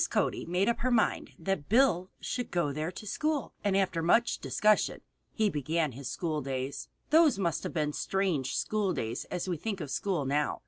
Cody made up her mind that Bill should go there to school, and after much discussion he began his school days. Those must have been strange school days as we think of school now.